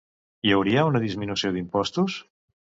Hi hauria una disminució d'impostos?